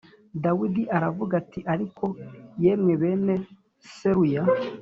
Dawidi aravuga ati Ariko yemwe bene Seruya